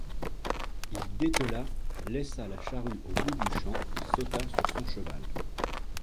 Il détela, laissa la charrue au bout du champ, sauta sur son cheval.